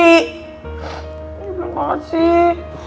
ini bener banget sih